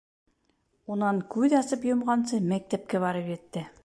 Унан күҙ асып йомғансы мәктәпкә барып етте.